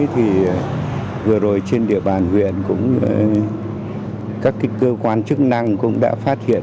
thì vừa rồi trên địa bàn huyện cũng các cơ quan chức năng cũng đã phát hiện